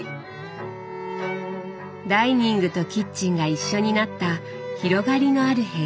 ダイニングとキッチンが一緒になった広がりのある部屋。